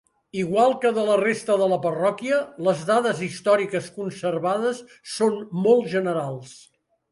Igual que de la resta de la parròquia, les dades històriques conservades són molt generals.